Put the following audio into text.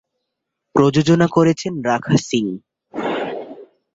প্রযোজনা করেছেন রাখা সিং।